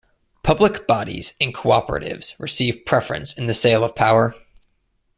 Public bodies and cooperatives receive preference in the sale of power.